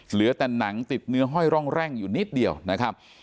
เหลือแต่หนังติดเนื้อห้อยร่องแร่งอยู่นิดเดียวนะครับ